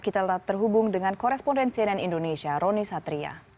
kita terhubung dengan koresponden cnn indonesia roni satria